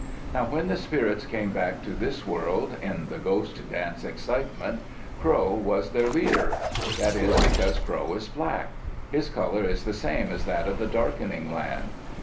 Now when the spirits came back to this world [in the ghost dance excitement] Crow was their leader. That is because Crow is black; his color is the same as that of the Darkening Land.